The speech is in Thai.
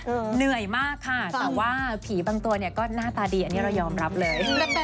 เหนื่อยมากค่ะแต่ว่าผีบางตัวเนี่ยก็หน้าตาดีอันนี้เรายอมรับเลย